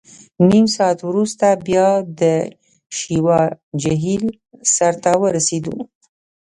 نیم ساعت وروسته بیا د شیوا جهیل سر ته ورسېدو.